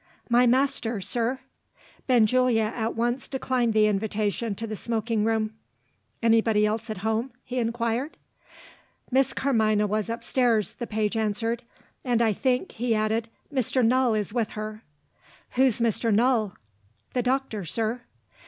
"My master, sir." Benjulia at once declined the invitation to the smoking room. "Anybody else at home?" he inquired. Miss Carmina was upstairs the page answered. "And I think," he added, "Mr. Null is with her." "Who's Mr. Null?" "The doctor, sir."